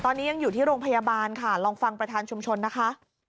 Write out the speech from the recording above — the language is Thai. ตอนนี้ยังอยู่ที่โรงพยาบาลค่ะลองฟังประธานชุมชนนะคะ